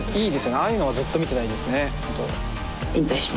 ああいうのはずっと見てたいですねほんと。